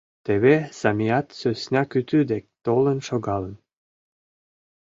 Теве Самиат сӧсна кӱтӱ дек толын шогалын.